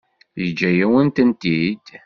Yeǧǧa-yawen-tent-id.